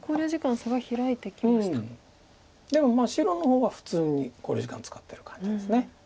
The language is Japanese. でもまあ白の方が普通に考慮時間使ってる感じです。